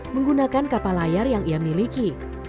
menggunakan kapal layar yang ia miliki